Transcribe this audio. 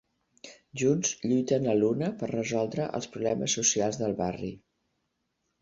Junts lluiten a l'una per resoldre els problemes socials del barri.